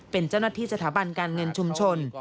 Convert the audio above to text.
เป็นเจ้าหน้าที่สถาบันการเงินชุมชน